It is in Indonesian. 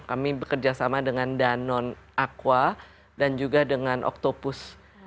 kami bekerja sama dengan danone aqua dan juga dengan octopus